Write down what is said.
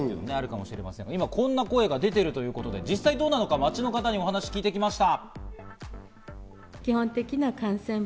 今、こんな声が出ているということで、実際どうなのか街の方にお話を聞いてきました。